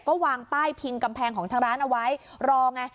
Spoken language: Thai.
ก็วางป้ายพิงกำแพงของทางร้านเอาไว้รอไง